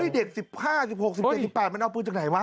เด็ก๑๕๑๖๑๗๑๘มันเอาปืนจากไหนวะ